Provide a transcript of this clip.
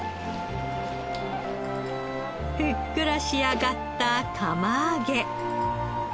ふっくら仕上がった釜揚げ。